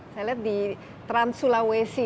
saya lihat di trans sulawesi